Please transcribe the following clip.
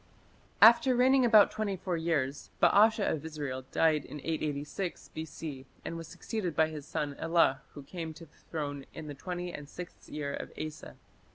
After reigning about twenty four years, Baasha of Israel died in 886 B.C. and was succeeded by his son Elah who came to the throne "in the twenty and sixth year of Asa".